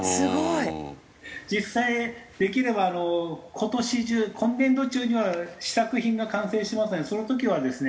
実際できればあの今年中今年度中には試作品が完成しますのでその時はですね